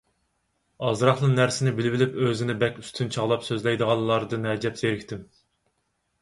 ئازراقلا نەرسىنى بىلىۋېلىپ ئۆزىنى بەك ئۈستۈن چاغلاپ سۆزلەيدىغانلاردىن ئەجەب زېرىكتىم.